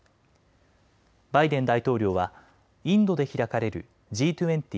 バイデン大統領はインドで開かれるＧ２０・